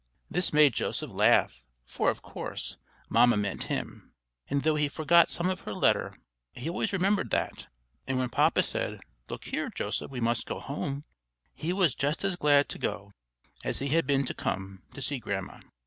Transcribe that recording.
This made Joseph laugh for, of course, Mamma meant him; and though he forgot some of her letter, he always remembered that; and when Papa said; "Look here, Joseph, we must go home," he was just as glad to go, as he had been to come to see Grandma.